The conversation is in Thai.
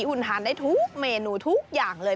คุณทานได้ทุกเมนูทุกอย่างเลย